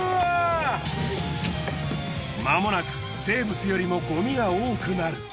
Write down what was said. まもなく生物よりもごみが多くなる。